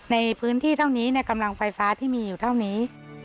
ในพื้นที่เท่านี้กำลังไฟฟ้าที่มีอยู่เท่านี้